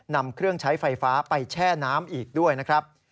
นำเครื่องใช้ไฟฟ้าไปแช่น้ำอีกด้วยนะครับ